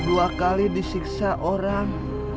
dua kali disiksa orang